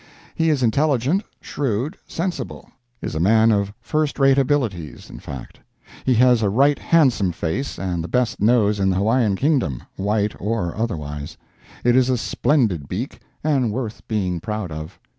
He is intelligent, shrewd, sensible—is a man of first rate abilities, in fact. He has a right handsome face, and the best nose in the Hawaiian kingdom, white or other wise; it is a splendid beak, and worth being proud of.